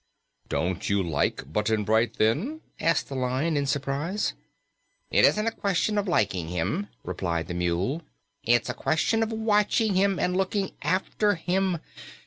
"Don't you like Button Bright, then?" asked the Lion in surprise. "It isn't a question of liking him," replied the Mule. "It's a question of watching him and looking after him.